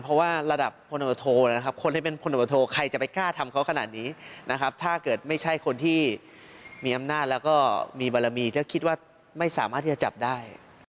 เพราะว่าระดับพลตำรวจโทนะครับคนที่เป็นพลตำรวจโทใครจะไปกล้าทำเขาขนาดนี้นะครับถ้าเกิดไม่ใช่คนที่มีอำนาจแล้วก็มีบารมีถ้าคิดว่าไม่สามารถที่จะจับได้